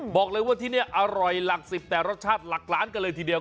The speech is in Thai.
บอกเลยว่าที่นี่อร่อยหลักสิบแต่รสชาติหลักล้านกันเลยทีเดียว